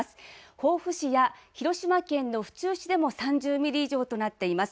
防府市や広島県の府中市でも３０ミリ以上となっています。